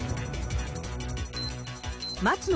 松野